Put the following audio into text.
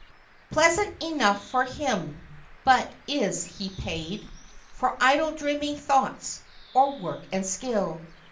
Pleasant enough for him, — but is he paid For idle dreaming thoughts, or work and skill?